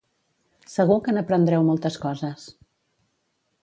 Segur que n'aprendreu moltes coses.